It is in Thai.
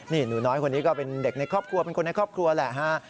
นี่หนูน้อยคนนี้ก็เป็นเด็กในครอบครัวเป็นคนในครอบครัวแหละฮะ